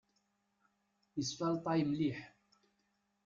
Isfalṭay mliḥ.